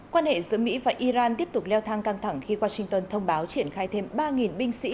quan hệ giữa mỹ và iran tiếp tục leo thang căng thẳng khi washington thông báo triển khai thêm ba binh sĩ